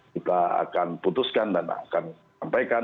kita akan putuskan dan akan sampaikan